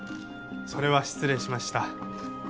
それは失礼しました。